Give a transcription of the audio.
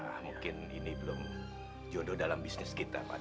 nah mungkin ini belum jodoh dalam bisnis kita pak